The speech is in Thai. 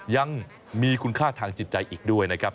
ยังมีคุณค่าทางจิตใจอีกด้วยนะครับ